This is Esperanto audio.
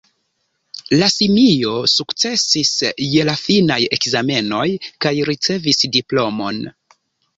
La simio sukcesis je la finaj ekzamenoj, kaj ricevis diplomon.